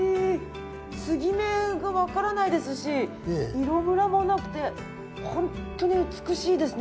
継ぎ目がわからないですし色ムラもなくて本当に美しいですね。